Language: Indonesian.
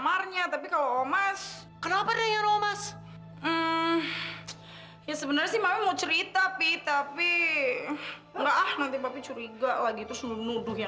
ah saya masih gak percaya